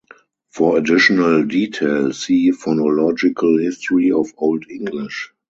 For additional detail, see Phonological history of Old English.